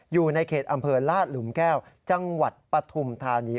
อยู่ในเขตอำเภอลาดหลุมแก้วจังหวัดปฐุมธานี